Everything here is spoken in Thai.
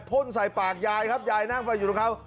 พ่นใส่ปากยายครับยายนั่งไฟอยู่ด้วยครับ